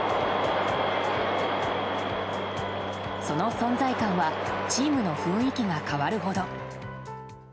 その存在感はチームの雰囲気が変わるほど。